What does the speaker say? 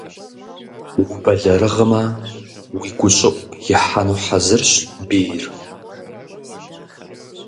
Убэлэрыгъамэ, уи гущӀыӀу ихьэну хьэзырщ бийр.